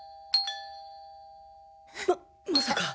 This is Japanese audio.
ままさか。